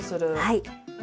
はい。